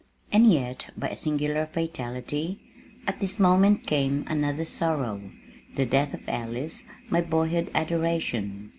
And yet, by a singular fatality, at this moment came another sorrow, the death of Alice, my boyhood's adoration.